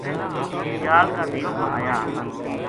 سیال کا دیس ما آیا